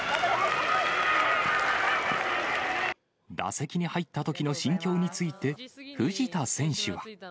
打席に入ったときの心境について、藤田選手は。